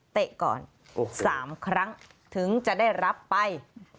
เตะก่อน๓ครั้งถึงจะได้รับไป